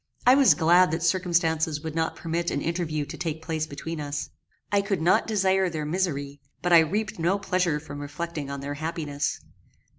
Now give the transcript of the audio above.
I was glad that circumstances would not permit an interview to take place between us. I could not desire their misery; but I reaped no pleasure from reflecting on their happiness.